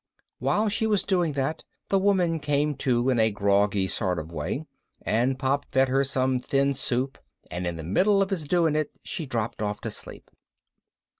While she was doing that the woman came to in a groggy sort of way and Pop fed her some thin soup and in the middle of his doing it she dropped off to sleep.